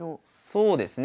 そうですね。